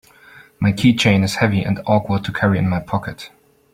My keychain is heavy and awkward to carry in my pocket.